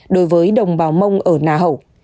đối với đồng bào mông ở nà hậu